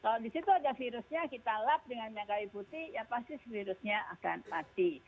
kalau disitu ada virusnya kita lap dengan minyak kawi putih ya pasti virusnya akan mati